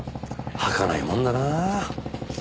はかないもんだなぁ。